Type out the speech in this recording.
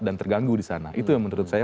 dan terganggu disana itu yang menurut saya